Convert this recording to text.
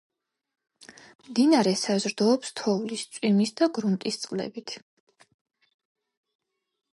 მდინარე საზრდოობს თოვლის, წვიმის და გრუნტის წყლებით.